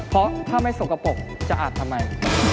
เพราะถ้าไม่สกปรกจะอาบทำไม